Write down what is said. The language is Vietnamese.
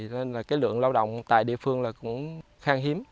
nên lượng lao động tại địa phương là khang hiếm